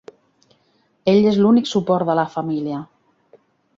Ell és l'únic suport de la família.